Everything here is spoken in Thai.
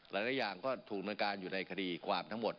หลายอย่างก็ถูกดำเนินการอยู่ในคดีความทั้งหมด